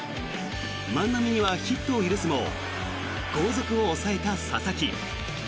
万波にはヒットを許すも後続を抑えた佐々木。